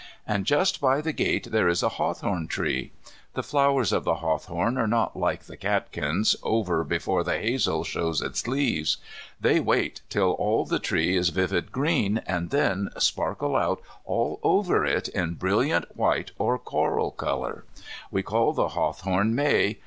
And just by the gate there is a hawthorn tree. The flowers of the hawthorn are not, like the catkins, over before the hazel shows its leaves. They wait till all the tree is vivid green, and then sparkle out all over it in brilliant white or coral colour. We call the hawthorn May.